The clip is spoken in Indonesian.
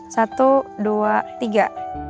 satu dua tiga